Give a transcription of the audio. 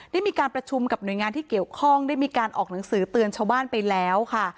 ได้มีการประชุมกับหน่วยงานที่เกี่ยวข้องได้มีการออกหนังสือเตือนชาวบ้านไปแล้วค่ะ